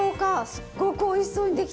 すっごくおいしそうにできてます。